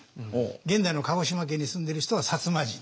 現代の鹿児島県に住んでいる人は摩人